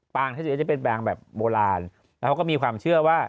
ปางที่สุดท้ายจะเป็นแบบโบราณแล้วเขาก็มีความเชื่อว่า